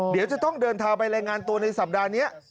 เดี๋ยวจะต้องเดินทางไปรายงานตัวในสัปดาห์นี้